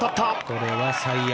これは最悪。